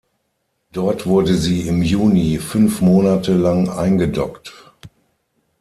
Dort wurde sie im Juni fünf Monate lang eingedockt.